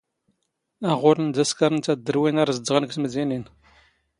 ⴰⵖⵓⵍⵏ ⴷⴰ ⵙⴽⴰⵔⵏ ⵜⴰⴷⴷⵔⵡⵉⵏ ⴰⵔ ⵣⴷⴷⵖⵏ ⴳ ⵜⵎⴷⵉⵏⵉⵏ.